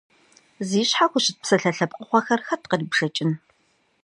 Зи щхьэ хущыт псалъэ лъэпкъыгъуэхэр хэт кърибжэкӏын?